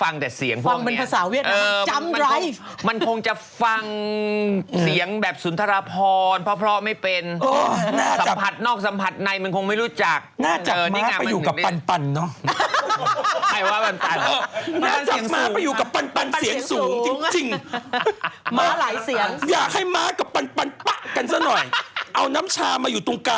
น่าจับแม่ไปอยู่กับปัลปัลเนอะใครว่าปันปันมาก